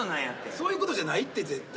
そういうことじゃないって絶対。